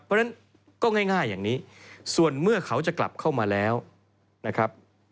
เพราะฉะนั้นก็ง่ายอย่างนี้ส่วนเมื่อเขาจะกลับเข้ามาแล้วนะครับ